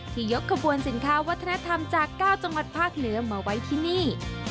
ยกขบวนสินค้าวัฒนธรรมจาก๙จังหวัดภาคเหนือมาไว้ที่นี่